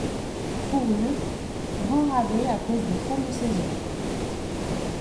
Fourrures, grand rabais à cause de fin de saison.